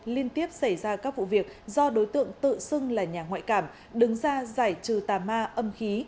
liên tiếp xảy ra các vụ việc do đối tượng tự xưng là nhà ngoại cảm đứng ra giải trừ tà ma âm khí